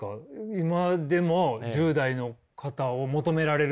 今でも１０代の方を求められるというのは。